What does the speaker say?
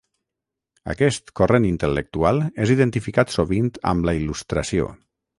Aquest corrent intel·lectual és identificat sovint amb la Il·lustració.